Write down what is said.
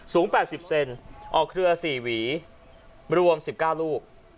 ๘๐เซนออกเครือ๔หวีรวม๑๙ลูก